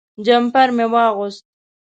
جمپر مې واغوست.